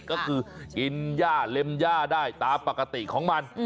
ก็คือกินย่าเล็มย่าได้ตามปกติของมัน